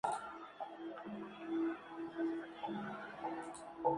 Le ofrecieron para participar y luego calificar.